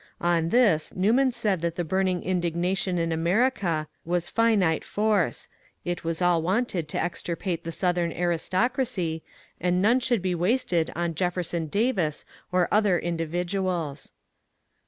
On this Newman said that the burning indignation in America was a finite force ; it was all wanted to extirpate the Southern aristocracy, and none should be wasted on Jefferson Davis or other individuals.